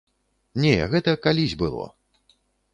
Не, гэта калісь было.